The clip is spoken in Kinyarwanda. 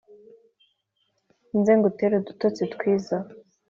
nze ngutere udutotsi twiza ;